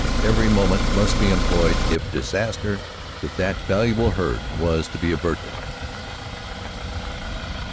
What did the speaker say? Every moment must be employed if disaster to that valuable herd was to be averted.